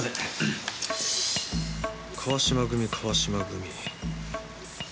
川島組川島組。